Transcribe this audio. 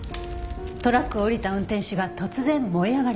トラックを降りた運転手が突然燃え上がりました。